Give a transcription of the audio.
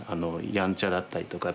やんちゃだったりとか。